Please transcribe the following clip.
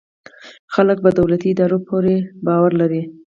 خلک په دولتي ادارو پوره باور لري.